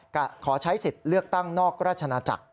ขอใช้สิทธิ์เลือกตั้งนอกราชนาจักร